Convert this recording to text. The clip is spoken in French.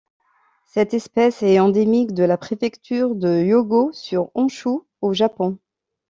Cette espèce est endémique de la préfecture de Hyōgo sur Honshū au Japon.